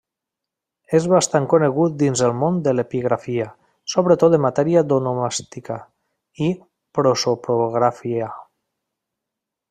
És bastant conegut dins el món de l'epigrafia, sobretot en matèria d'onomàstica i prosopografia.